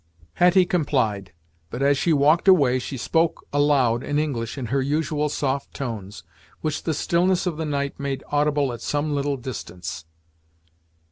Hetty complied; but as she walked away she spoke aloud in English in her usual soft tones, which the stillness of the night made audible at some little distance.